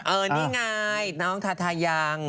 เออนี่ไงน้องถ่ายัง